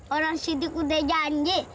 orang sidik udah janji